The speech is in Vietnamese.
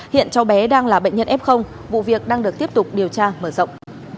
hiện cháu bé đang là bệnh nhân f vụ việc đang được tiếp tục điều tra mở rộng